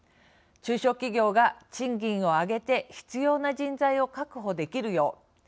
中小企業が賃金を上げて必要な人材を確保できるよう。